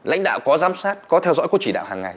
lãnh đạo có giám sát có theo dõi có chỉ đạo hàng ngày